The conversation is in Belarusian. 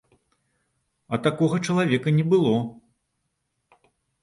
А такога чалавека не было.